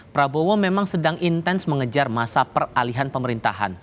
prabowo memang sedang intens mengejar masa peralihan pemerintahan